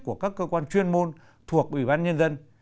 của các cơ quan chuyên môn thuộc ủy ban nhân dân